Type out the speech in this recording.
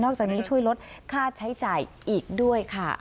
จากนี้ช่วยลดค่าใช้จ่ายอีกด้วยค่ะ